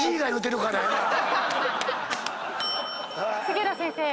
杉浦先生。